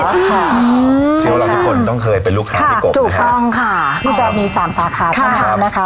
เชื่อว่าเราทุกคนต้องเคยเป็นลูกค้าพี่กบถูกต้องค่ะที่จะมีสามสาขาเท่านั้นนะคะ